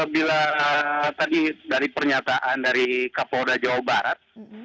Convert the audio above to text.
bila tadi dari pernyataan dari kapolda jawa barat